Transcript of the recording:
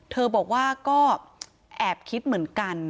เธอบอกว่าก็แอบคิดเหมือนกัน